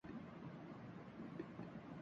بچے پارک میں کھیلتے ہیں۔